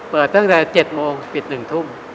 เปิดตั้งแต่๗โมงปิด๑ทุ่ม